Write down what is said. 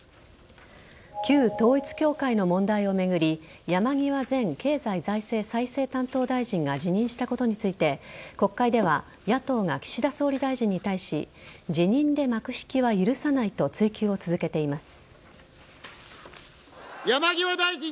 旧統一教会の問題を巡り山際前経済再生担当大臣が辞任したことについて国会では野党が岸田総理大臣に対し辞任で幕引きは許さないと追及を続けています。